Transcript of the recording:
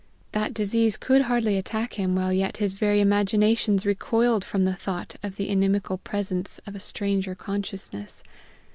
That disease could hardly attack him while yet his very imaginations recoiled from the thought of the inimical presence of a stranger consciousness.